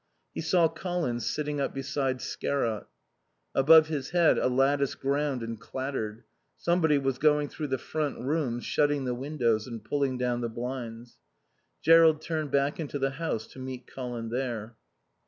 He saw Colin sitting up beside Scarrott. Above his head a lattice ground and clattered. Somebody was going through the front rooms, shutting the windows and pulling down the blinds. Jerrold turned back into the house to meet Colin there.